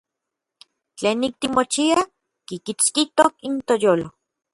Tlenik timochiaj kikitskijtok n toyolo.